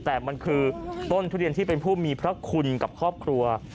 แต่มันคือต้นทุเรียนที่เป็นผู้มีพระคุณกับครอบครัว